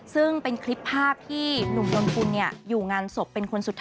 ซึ่งเป็นคลิปภาพที่หนุ่มนนกุลอยู่งานศพเป็นคนสุดท้าย